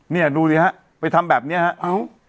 เนี่ยดูสิฮะไปทำแบบนี้ฮะเอ้า